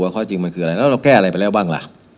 ข้อจริงมันคืออะไรแล้วเราแก้อะไรไปแล้วบ้างล่ะ